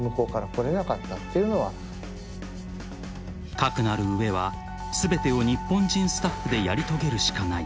［かくなる上は全てを日本人スタッフでやり遂げるしかない］